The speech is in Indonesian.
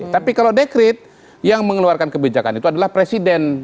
tapi kalau dekret yang mengeluarkan kebijakan itu adalah presiden